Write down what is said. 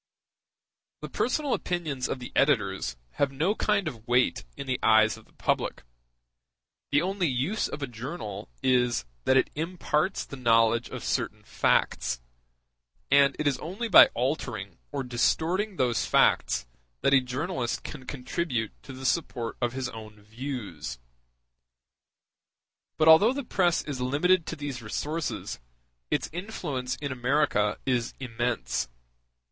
] The personal opinions of the editors have no kind of weight in the eyes of the public: the only use of a journal is, that it imparts the knowledge of certain facts, and it is only by altering or distorting those facts that a journalist can contribute to the support of his own views. But although the press is limited to these resources, its influence in America is immense.